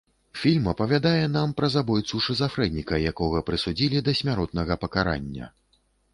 Фільм апавядае нам пра забойцу-шызафрэніка, якога прысудзілі да смяротнага пакарання.